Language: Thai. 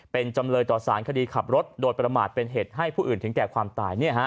เป็นจำเลยต่อสารคดีขับรถโดยประมาทเป็นเหตุให้ผู้อื่นถึงแก่ความตาย